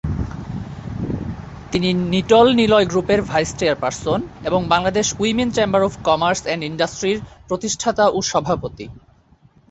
তিনি নিটল-নিলয় গ্রুপের vice chairperson এবং Bangladesh women chamber of commerce and ইন্ড্রাস্ট্রি’র প্রতিষ্ঠাতা ও সভাপতি।